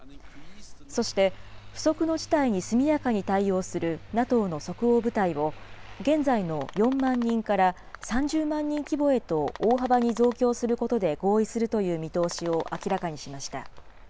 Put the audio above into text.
そして不測の事態に速やかに対応するＮＡＴＯの即応部隊を現在の４万人から３０万人規模へと大幅に増強することで合意するという見通しを明らかにしました。